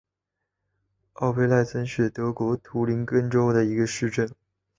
奥贝赖森是德国图林根州的一个市镇。